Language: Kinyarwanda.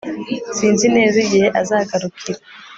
Sinzi neza igihe azagarukira